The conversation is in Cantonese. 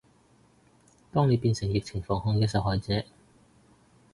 當你變成疫情防控嘅受害者